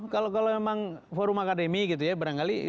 kalau memang forum akademi gitu ya